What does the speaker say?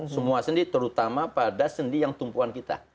semua sendi terutama pada sendi yang tumpuan kita